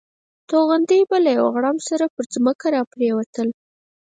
توغندي به له یو غړومب سره پر ځمکه را پرېوتل.